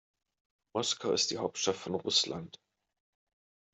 Moskau ist die Hauptstadt von Russland.